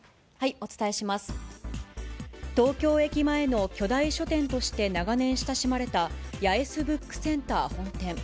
東京駅前の巨大書店として長年親しまれた八重洲ブックセンター本店。